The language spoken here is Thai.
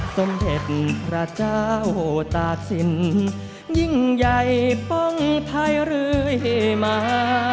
สมเด็จพระเจ้าตากสินยิ่งใหญ่ป้องไทยเรื่อยมา